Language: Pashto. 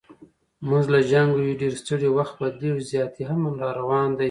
موږ له جنګه یو ډېر ستړي، وخت بدلیږي زیاتي امن را روان دی